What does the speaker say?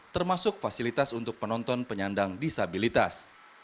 termasuk fasilitas untuk penonton penyandang disabilitas